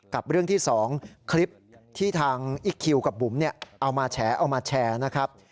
กับเรื่องที่สองคลิปที่ทางอิคคิวกับบุ๋มเอามาแชร์